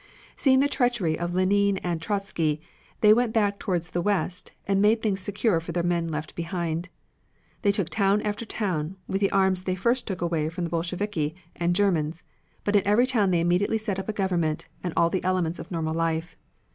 Seeing the treachery of Lenine and Trotzky, they went back toward the west and made things secure for their men left behind. They took town after town with the arms they first took away from the Bolsheviki and Germans; but in every town they immediately set up a government, with all the elements of normal life.